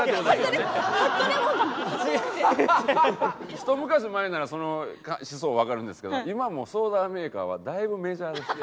ひと昔前ならその思想わかるんですけど今はもうソーダメーカーはだいぶメジャーです。